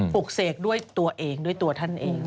ปลูกเสกด้วยตัวเองด้วยตัวท่านเอง